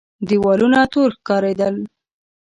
دېوالونه تور ښکارېدل.